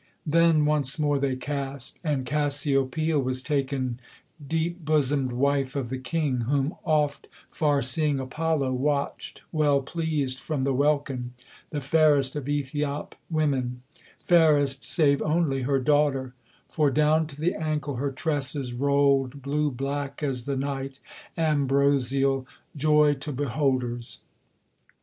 Then once more they cast; and Cassiopoeia was taken, Deep bosomed wife of the king, whom oft far seeing Apollo Watched well pleased from the welkin, the fairest of AEthiop women: Fairest, save only her daughter; for down to the ankle her tresses Rolled, blue black as the night, ambrosial, joy to beholders.